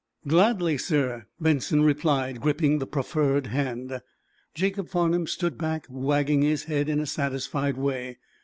"Gladly, sir," Benson replied, gripping the proffered hand. Jacob Farnum stood back, wagging his head in a satisfied way.